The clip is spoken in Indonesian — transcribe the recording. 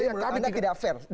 menurut anda tidak fair